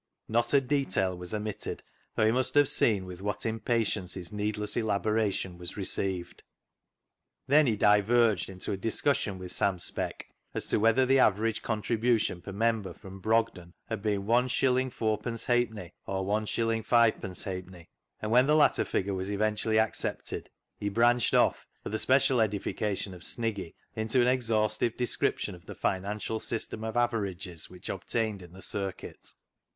Not a detail was omitted, though he must have seen with what impatience his needless elaboration was received. Then he diverged into a discussion with Sam Speck as to whether the average contribution per member from Brogden had been is. 4^d. or IS. S^d., and when the latter figure was eventually accepted he branched off, for the 300 CLOG SHOP CHRONICLES special edification of Sniggy, into an ex haustive description of the financial system of averages which obtained in the circuit.